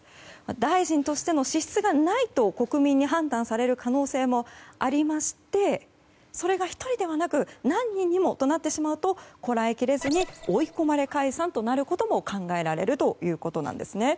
大臣としての資質がないと国民に判断される可能性がありましてそれが１人ではなく何人にもなってしまうとこらえきれずに追い込まれ解散となることも考えられるということです。